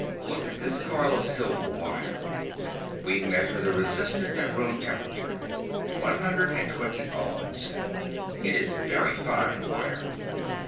Look at this coil of silver wire. We measure the resistance at room temperature. One hundred and twenty ohms. It is very fine wire.